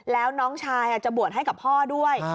แล้วน้องชายจะบวชให้กับพ่อด้วย